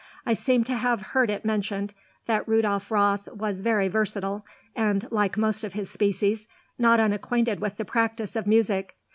I seem to have heard it mentioned that Rudolf Roth was very versatile and, like most of his species, not unacquainted with the practice of music.